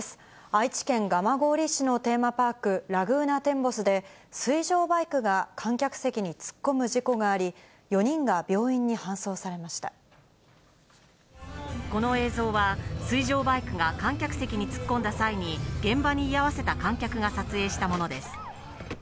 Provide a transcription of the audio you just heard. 愛知県蒲郡市のテーマパーク、ラグーナテンボスで、水上バイクが観客席に突っ込む事故があり、４人が病院に搬送されこの映像は、水上バイクが観客席に突っ込んだ際に、現場に居合わせた観客が撮影したものです。